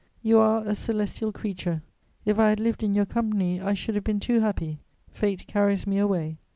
You are a celestial creature. If I had lived in your company, I should have been too happy: fate carries me away.